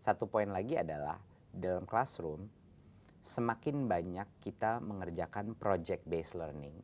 satu poin lagi adalah dalam classroom semakin banyak kita mengerjakan project based learning